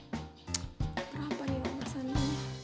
berapa yang ada sana